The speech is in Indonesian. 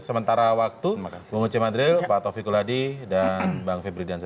sementara waktu bumut c madril pak tovi kuladi dan bang febri diansya